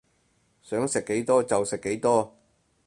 想食幾多就食幾多